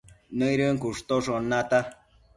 nëidën cushtoshon nata